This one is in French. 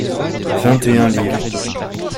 vint et un livres.